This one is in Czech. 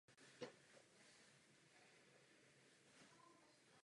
Pracoval jako ekonomický expert československé exilové vlády v Londýně.